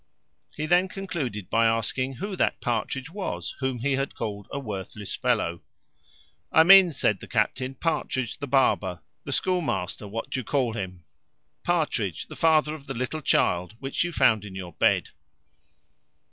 He then concluded by asking, "who that Partridge was, whom he had called a worthless fellow?" "I mean," said the captain, "Partridge the barber, the schoolmaster, what do you call him? Partridge, the father of the little child which you found in your bed."